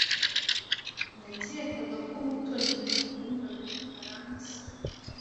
Nakekaga ko Mutoni yumva Igifaransa.